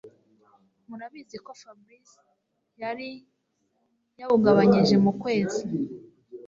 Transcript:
murabizi ko Fabric yari yawugabanyije mukwezi